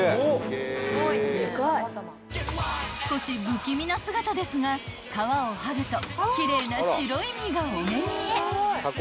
［少し不気味な姿ですが皮を剥ぐと奇麗な白い身がお目見え］